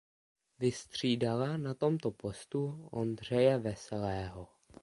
Vystřídala na tomto postu Ondřeje Veselého.